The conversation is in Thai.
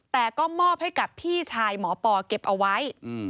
แต่ก็มอบให้กับพี่ชายหมอปอเก็บเอาไว้